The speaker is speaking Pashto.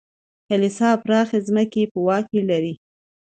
کلیسا پراخې ځمکې یې په واک کې لرلې.